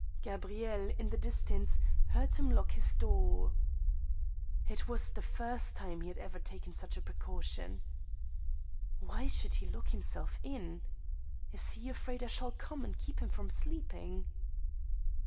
Gabrielle, in the distance, heard him lock his door. It was the first time he had ever taken such a precaution. Why should he lock himself in ? Is he afraid I shall come and keep him from sleeping